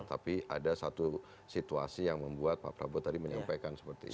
tapi ada satu situasi yang membuat pak prabowo tadi menyampaikan seperti itu